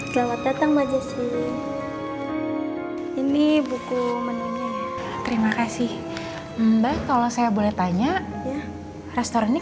selamat datang baju sih ini buku menunggu terima kasih mbak kalau saya boleh tanya restoran ini